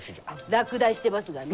落第してますがね。